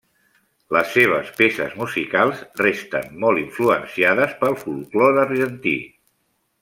Les seves peces musicals resten molt influenciades pel folklore argentí.